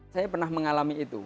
saya pernah mengalami itu